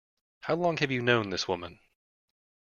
How long have you known this woman?